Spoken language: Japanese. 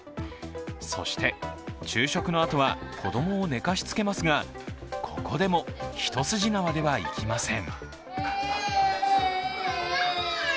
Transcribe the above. そして昼食のあとは子供を寝かしつけますがここでも一筋縄ではいきません。